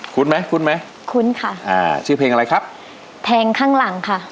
ไหมคุ้นไหมคุ้นค่ะอ่าชื่อเพลงอะไรครับเพลงข้างหลังค่ะ